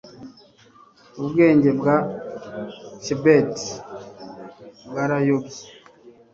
ubwenge bwa chebet bwarayobye